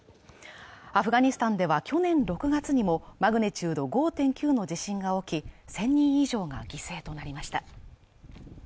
アフガニスタンでは去年６月にもマグニチュード５．９の地震が起き、１０００人以上が犠牲となりました。